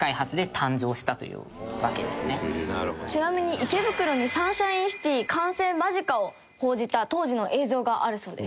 ちなみに池袋にサンシャインシティ完成間近を報じた当時の映像があるそうです。